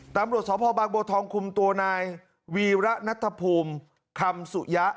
ตำรวจสอบภบางโบทองคุมตัวนายวีระณฑภูมิคำสุยะ